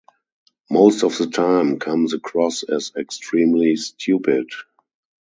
Most of the time comes across as extremely stupid.